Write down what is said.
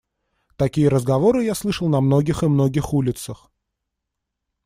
Такие разговоры я слышал на многих и многих улицах.